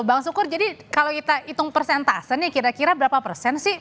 bang sukur jadi kalau kita hitung persentase nih kira kira berapa persen sih